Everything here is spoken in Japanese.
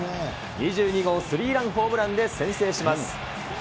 ２２号スリーランホームランで先制します。